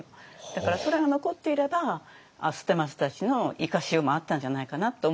だからそれが残っていれば捨松たちの生かしようもあったんじゃないかなと思うんですけど。